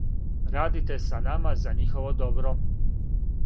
Радите са нама за њихово добро.